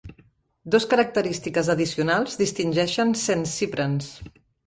Dos característiques addicionals distingeixen Saint Cyprans.